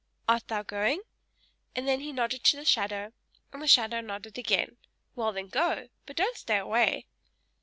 Art thou going?" and then he nodded to the shadow, and the shadow nodded again. "Well then, go! But don't stay away."